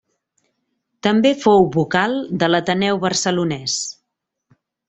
També fou vocal de l'Ateneu Barcelonès.